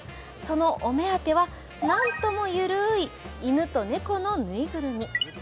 そのお目当ては、何とも緩い犬と猫のぬいぐるみ。